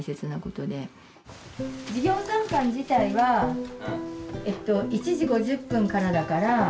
授業参観自体はえっと１時５０分からだから。